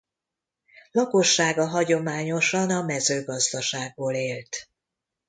Lakossága hagyományosan a mezőgazdaságból élt.